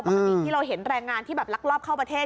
ปกติที่เราเห็นแรงงานที่แบบลักลอบเข้าประเทศ